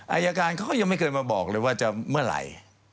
อายการเขาก็ยังไม่เคยมาบอกเลยว่าจะเมื่อไหร่